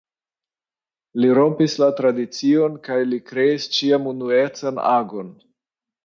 Li rompis la tradicion kaj li kreis ĉiam unuecan agon.